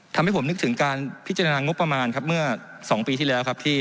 ทำให้ผมนึกถึงการพิจารณางงบประมาณเมื่อ๒ปีที่แล้ว